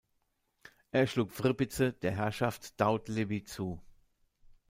Er schlug Vrbice der Herrschaft Doudleby zu.